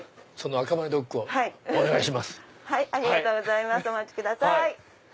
赤羽ドッグ１つお願いします。